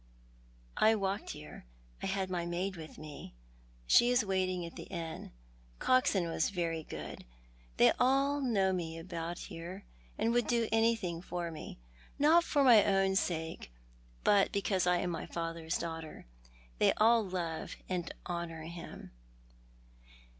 " I walked here. I had my maid with me. She is waiting at the inn. Coxon was very good. They all know me about here, and would do anything for me. Not for my own sake, but because I am my father's daughter. They all love and honour him."